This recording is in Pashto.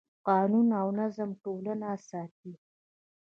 قانون او نظم ټولنه ساتي.